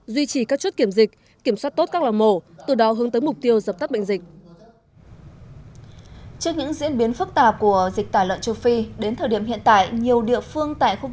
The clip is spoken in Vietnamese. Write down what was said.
duy trì các chốt kiểm dịch kiểm soát tốt các loài mổ từ đó hướng tới mục tiêu dập tắt bệnh dịch